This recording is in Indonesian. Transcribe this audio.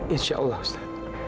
insya allah ustaz